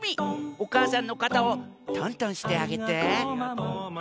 おかあさんのかたをとんとんしてあげて。